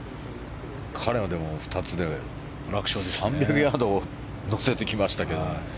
彼は２つで３００ヤードを乗せてきましたけど。